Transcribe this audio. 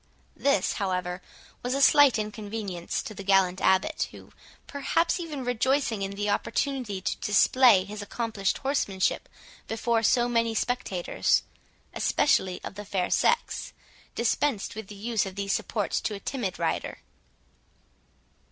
This, however, was a slight inconvenience to the gallant Abbot, who, perhaps, even rejoicing in the opportunity to display his accomplished horsemanship before so many spectators, especially of the fair sex, dispensed with the use of these supports to a timid rider.